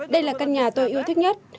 đây là căn nhà tôi yêu thích nhất